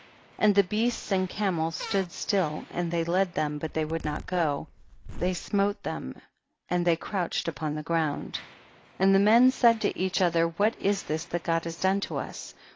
45. And the beasts and camels stood still, and they led them, but they would not go, they smote them, and they crouched upon the ground ; and the men said to each other, what is this that God has done to us